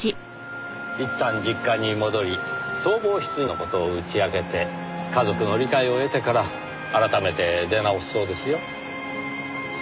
いったん実家に戻り相貌失認の事を打ち明けて家族の理解を得てから改めて出直すそうですよ。